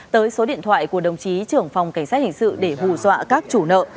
tới số điện thoại của đồng chí trưởng phòng cảnh sát hình sự để hù dọa các chủ nợ